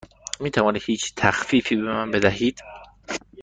می توانید هیچ تخفیفی به من بدهید؟